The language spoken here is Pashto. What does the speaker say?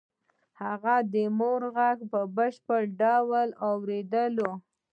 هغه د مور غږ په بشپړ ډول واورېد